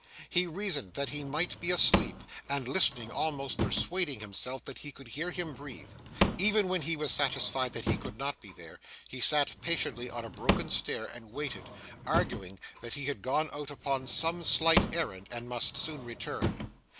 He reasoned that he might be asleep; and, listening, almost persuaded himself that he could hear him breathe. Even when he was satisfied that he could not be there, he sat patiently on a broken stair and waited; arguing, that he had gone out upon some slight errand, and must soon return.